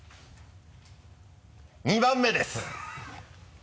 ２番目です！